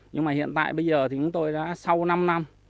nhưng mà hiện tại bây giờ thì chúng tôi đã sau năm năm